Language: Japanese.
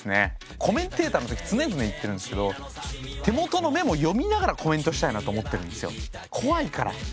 コメンテーターの時常々言ってるんですけど手元のメモ読みながらコメントしたいなと思ってるんですよ怖いから。